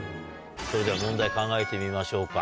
それでは問題考えてみましょうか。